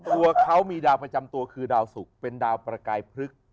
ตัวเขามีดาวประจำตัวคือดาวสุกเป็นดาวประกายพฤกษ์